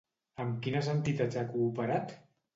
Amb quines entitats ha cooperat?